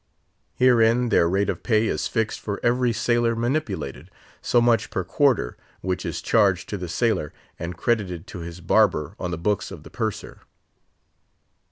Herein their rate of pay is fixed for every sailor manipulated—so much per quarter, which is charged to the sailor, and credited to his barber on the books of the Purser.